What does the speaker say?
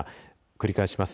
繰り返します。